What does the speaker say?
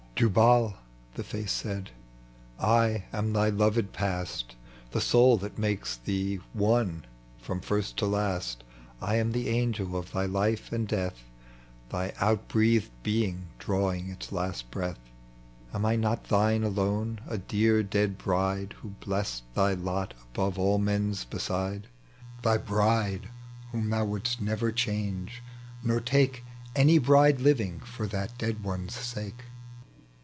" Jubal," tho face said, " I am thy loved Past, The soul that mates thee one from first to last. I am the angel of thy life and death, Thy outbreathed being drawing its last breath. Am T not thine alone, a dear dead bride Who blest thy lot above all men's beside? Thy bride whom thou wouldst never change, nor take Any bride living, for that dead one's sake?